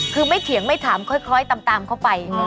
คือไม่เถียงไม่ถามค่อยตามเข้าไป